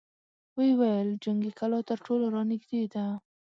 ويې ويل: جنګي کلا تر ټولو را نېږدې ده!